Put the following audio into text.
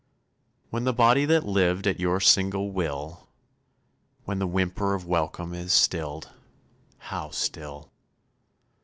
When the body that lived at your single will When the whimper of welcome is stilled (how still!)